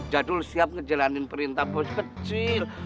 jadul siap ngejalanin perintah pos kecil